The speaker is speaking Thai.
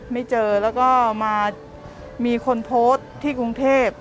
ไม่เจอแล้วก็มามีคนโพสต์ที่กรุงเทพ